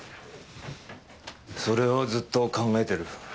それをずっと考えてる。